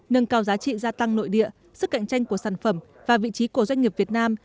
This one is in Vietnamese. nâng cao giá trị gia tăng nội địa sức cạnh tranh của sản phẩm và vị trí của doanh nghiệp việt nam